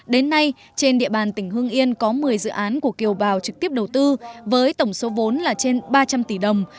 đến nay trên địa bàn tỉnh hương yên có một mươi dự án của kiều bào trực tiếp đầu tư với tổng số vốn là trên ba trăm linh tỷ đồng